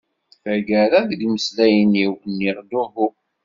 Taggara deg imeslayen-iw, nniɣ-d uhu.